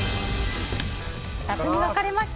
２つに分かれました。